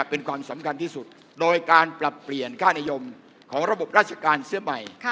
เป็นความสำคัญที่สุดโดยการปรับเปลี่ยนค่านิยมของระบบราชการเสื้อใหม่